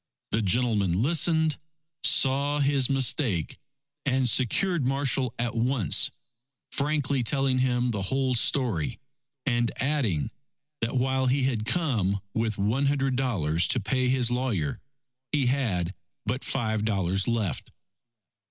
The gentleman listened, saw his mistake, and secured Marshall at once, frankly telling him the whole story, and adding, that while he had come with one hundred dollars to pay his lawyer, he had but five dollars left.